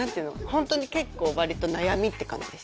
ホントに結構割と悩みって感じです